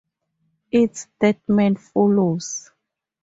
Its statement follows.